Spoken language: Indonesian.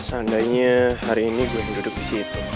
seandainya hari ini gue duduk disitu